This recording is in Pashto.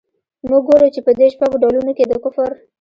موږ ګورو چي په دې شپږو ډولونو کي د کفر.